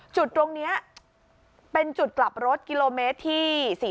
จุดตรงนี้เป็นจุดกลับรถกิโลเมตรที่๔๔